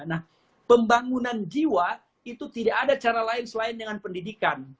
nah pembangunan jiwa itu tidak ada cara lain selain dengan pendidikan